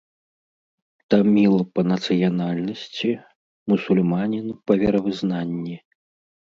Таміл па нацыянальнасці, мусульманін па веравызнанні.